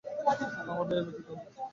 আমাদের এবার যেতে হবে।